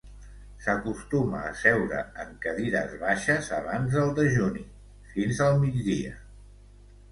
S'acostuma a seure en cadires baixes abans del dejuni, fins al migdia.